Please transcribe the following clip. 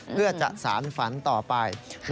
เพื่อจะสารฝันต่อไป